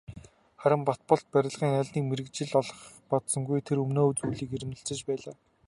Харин Батболд барилгын аль нэг мэргэжил олохыг бодсонгүй, тэс өмнөө зүйлийг эрмэлзэж байлаа.